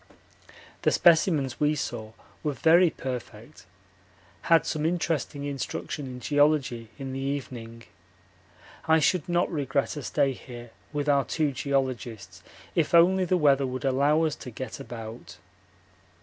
The specimens we saw were very perfect. Had some interesting instruction in geology in the evening. I should not regret a stay here with our two geologists if only the weather would allow us to get about.